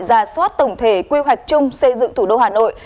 ra soát tổng thể quy hoạch chung xây dựng thủ đô hà nội